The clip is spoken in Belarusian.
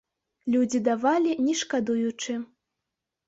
Людзі давалі не шкадуючы.